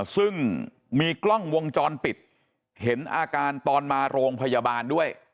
ซึ่งมีกล้องวงจรปิดเห็นอาการตอนมาโรงพยาบาลด้วย